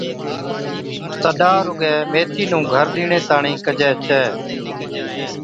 تڏا رُگَي ميٿي نُون گھر ڏِيڻي تاڻِين ڪجي ڇَي